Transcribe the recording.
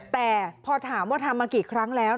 แต่พอถามว่าทำมากี่ครั้งแล้ว